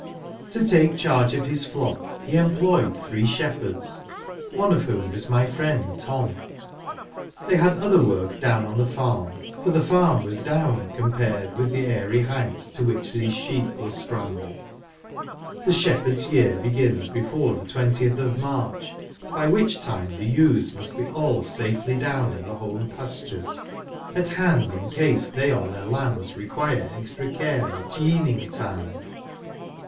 To take charge of his flock he employed three shepherds, one of whom was my friend Tom. They had other work down on the farm, for the farm was " down " com¬ pared with the aii'y heights to which these sheep will scramble. The shepherd's year begins before the twentieth of March, by which time the ewes must be all safely down in the home pastures, at hand in case they or their lambs require extra care at yeaning time.